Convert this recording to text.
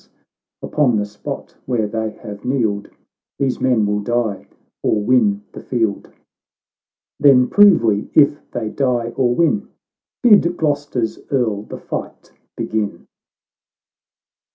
s Upon the spot where they have kneeled, These men will die, or win the field." ——" Then prove we if they die or win ! Bid Gloster's Earl the fight begin."